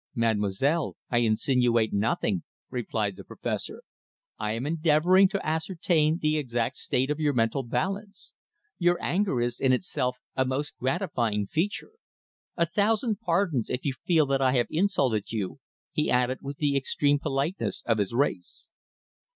"Mademoiselle, I insinuate nothing," replied the Professor. "I am endeavouring to ascertain the exact state of your mental balance. Your anger is, in itself, a most gratifying feature. A thousand pardons if you feel that I have insulted you," he added with the extreme politeness of his race.